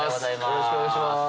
よろしくお願いします。